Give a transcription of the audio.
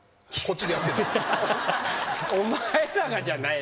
「お前らが」じゃない。